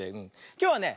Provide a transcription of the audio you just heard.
きょうはね